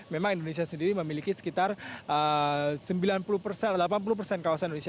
memang indonesia sendiri memiliki sekitar sembilan puluh persen delapan puluh persen kawasan indonesia